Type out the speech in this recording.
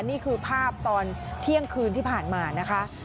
นี่คือภาพตอนเที่ยงคืนที่ผ่านมานะคะ